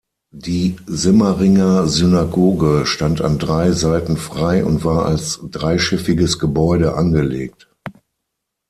Die Simmeringer Synagoge stand an drei Seiten frei und war als dreischiffiges Gebäude angelegt.